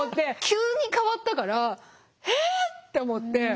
急に変わったからえって思って。